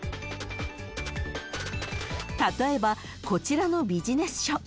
［例えばこちらのビジネス書